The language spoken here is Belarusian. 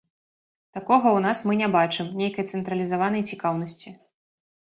Такога ў нас мы не бачым, нейкай цэнтралізаванай цікаўнасці.